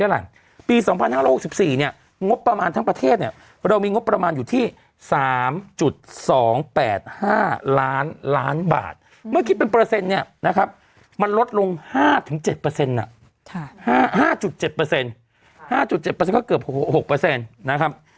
๓๒๘๕ล้านล้านบาทเมื่อคิดเป็นเปอร์เซ็นต์เนี่ยนะครับมันลดลง๕ถึง๗เปอร์เซ็นต์น่ะ๕๗เปอร์เซ็นต์๕๗เปอร์เซ็นต์ก็เกือบ๖เปอร์เซ็นต์นะครับ